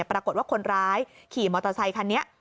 ปรากฏว่าคนร้ายขี่มอเตอร์ไซคันนี้